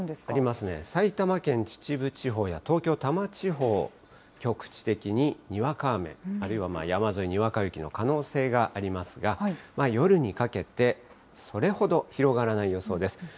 ありますね、埼玉県秩父地方や、東京・多摩地方、局地的ににわか雨、あるいは山沿い、にわか雪の可能性がありますが、夜にかけて、それほど広がらない予想です。